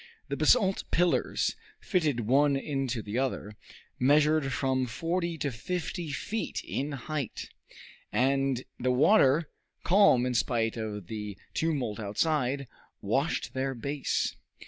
The basalt pillars, fitted one into the other, measured from forty to fifty feet in height, and the water, calm in spite of the tumult outside, washed their base.